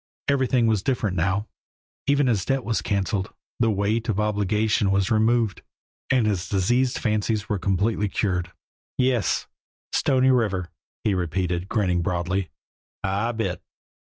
Everything was different now, even his debt was canceled, the weight of obligation was removed, and his diseased fancies were completely cured. "Yes! Stony River," he repeated, grinning broadly. "I bit!"